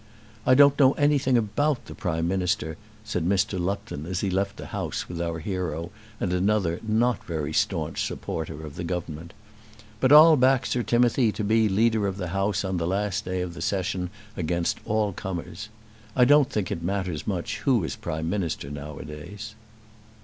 "I don't know anything about the Prime Minister," said Mr. Lupton as he left the House with our hero and another not very staunch supporter of the Government, "but I'll back Sir Timothy to be the Leader of the House on the last day of the Session, against all comers. I don't think it much matters who is Prime Minister nowadays."